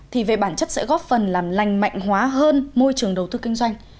thì về bản chất sẽ góp phần làm lành mạnh hóa hơn môi trường đầu tư kinh doanh